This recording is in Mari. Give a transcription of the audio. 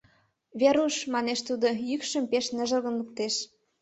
— Веруш, — манеш тудо, йӱкшым пеш ныжылгын луктеш.